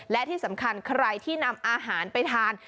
และที่สำคัญใครที่นำอาหารไปทาน